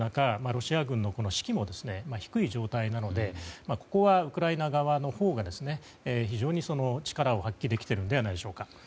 ロシア軍の士気も低い状態なのでここはウクライナ側のほうが力を発揮できているのではないでしょうか。